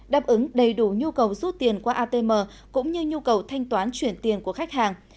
đáp ứng đầy đủ nhu cầu rút tiền qua atm cũng như nhu cầu thanh toán chuyển tiền của khách hàng